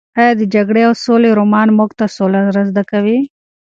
ایا د جګړې او سولې رومان موږ ته سوله را زده کوي؟